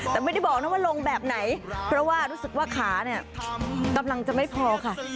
แต่ไม่ได้บอกนะว่าลงแบบไหนเพราะว่ารู้สึกว่าขาเนี่ยกำลังจะไม่พอค่ะ